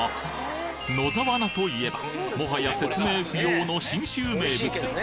野沢菜といえばもはや説明不要の信州名物